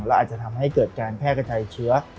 แล้วอาจจะทำให้เกิดการแพร่กระจายเชื้อ